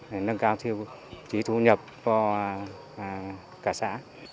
để nâng cao trí thu nhập cho cả xã